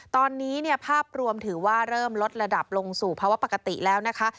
ตอนนี้เนี่ยภาพรวมถือว่าเริ่มลดระดับลงสู่ภาวะปกติแล้วนะคะ